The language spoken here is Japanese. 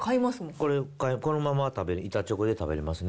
このまま食べる、板チョコで食べれますね。